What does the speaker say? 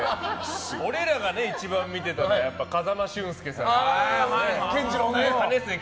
俺らが一番見てたのは風間俊介さんのね。